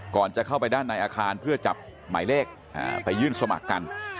จะเข้าไปด้านในอาคารเพื่อจับหมายเลขไปยื่นสมัครกัน